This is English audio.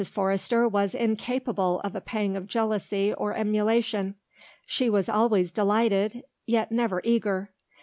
Forrester was incapable of a pang of jealousy or emulation; she was always delighted yet never eager.